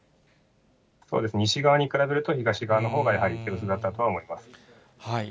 そうです、西側に比べると、東側のほうがやはり手薄だったとは思います。